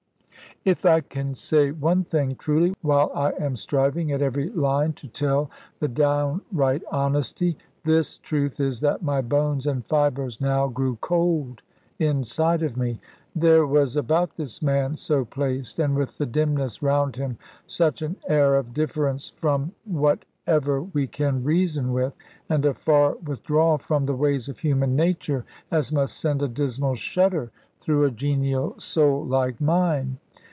If I can say one thing truly (while I am striving at every line to tell the downright honesty), this truth is that my bones and fibres now grew cold inside of me. There was about this man, so placed, and with the dimness round him, such an air of difference from whatever we can reason with, and of far withdrawal from the ways of human nature, as must send a dismal shudder through a genial soul like mine.